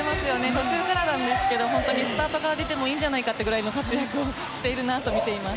途中からなんですけどスタートから出てもいいんじゃないかという活躍をしてるなと見ています。